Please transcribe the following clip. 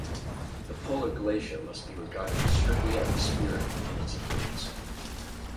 The Polar glacier must be regarded as strictly atmospheric in its increments.